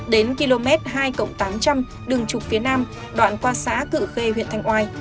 đến km hai tám trăm linh đường trục phía nam đoạn qua xá cử khê huyện thanh oai